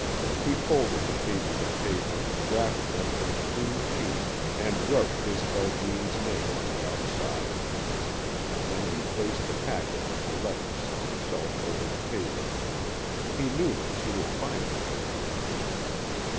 He folded the pages of paper, wrapped them in a clean sheet, and wrote Isobel Deans's name on the outside. Then he placed the packet with the letters on the shelf over the table. He knew that she would find it with them.